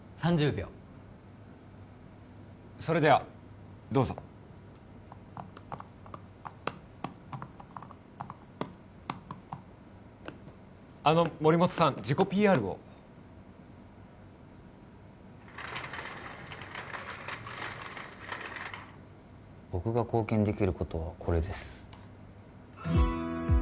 ３０秒それではどうぞあの森本さん自己ＰＲを僕が貢献できることはこれです